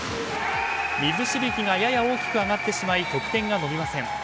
水しぶきがやや大きく上がってしまい得点が伸びません。